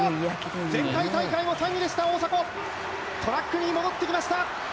前回大会も３位でした大迫、トラックに戻ってきました。